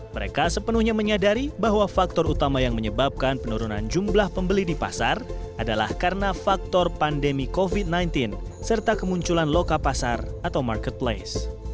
mereka sepenuhnya menyadari bahwa faktor utama yang menyebabkan penurunan jumlah pembeli di pasar adalah karena faktor pandemi covid sembilan belas serta kemunculan loka pasar atau marketplace